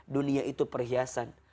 dunia itu perhiasan